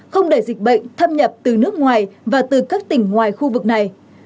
không để dịch bệnh thâm nhập từ nước ngoài và từ các tỉnh ngoài khu vực này